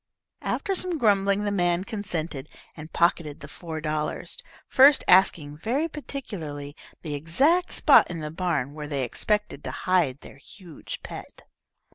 After some grumbling the man consented, and pocketed the four dollars, first asking very particularly the exact spot in the barn where they expected to hide their huge pet.